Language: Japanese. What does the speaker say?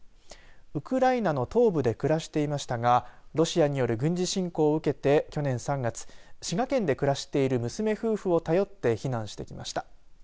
ウクライナの東部で暮らしていましたがロシアによる軍事侵攻を受けて去年３月、滋賀県で暮らしている娘夫婦を頼って避難してきました。